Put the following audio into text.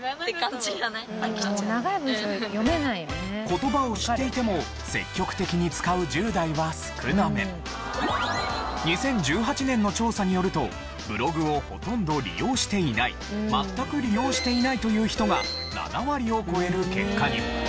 言葉を知っていても２０１８年の調査によるとブログをほとんど利用していない全く利用していないという人が７割を超える結果に。